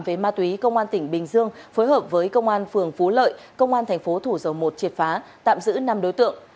về ma túy công an tỉnh bình dương phối hợp với công an phường phú lợi công an thành phố thủ dầu một triệt phá tạm giữ năm đối tượng